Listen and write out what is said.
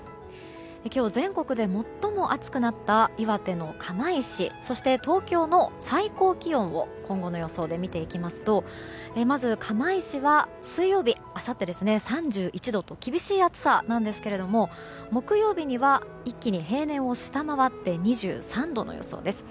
今日、全国で最も暑くなった岩手の釜石そして、東京の最高気温を今後の予想で見ていきますとまず釜石はあさって水曜日は３１度と厳しい暑さなんですが木曜日には一気に平年を下回って２３度の予想です。